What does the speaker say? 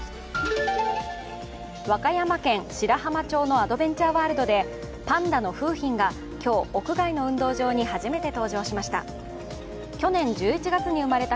和歌山県白浜町のアドベンチャーワールドでパンダの楓浜が今日、屋外の運動場に初めて登場しました。